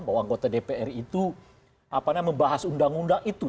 bahwa anggota dpr itu membahas undang undang itu